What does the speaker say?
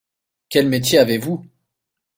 Quel métier avez-vous ?